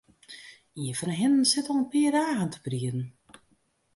Ien fan 'e hinnen sit al in pear dagen te brieden.